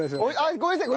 ごめんなさい！